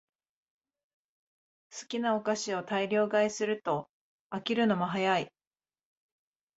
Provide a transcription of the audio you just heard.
好きなお菓子を大量買いすると飽きるのも早い